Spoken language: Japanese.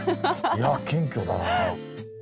いや謙虚だなあ。